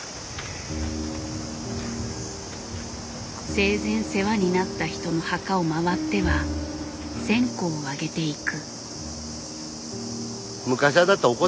生前世話になった人の墓を回っては線香をあげていく。